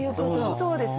そうですね。